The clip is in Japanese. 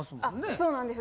そうなんですよ。